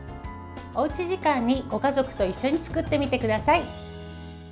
おうち時間にご家族と一緒に作ってみてください。